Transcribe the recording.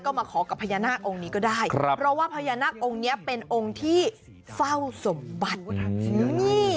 ก็มาขอกับพญานาคองค์นี้ก็ได้ครับเพราะว่าพญานาคองค์นี้เป็นองค์ที่เฝ้าสมบัติ